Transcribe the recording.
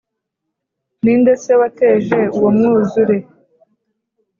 Ni nde se wateje uwo Mwuzure